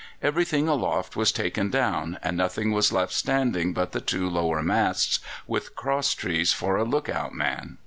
Everything aloft was taken down, and nothing was left standing but the two lower masts, with cross trees for a look out man.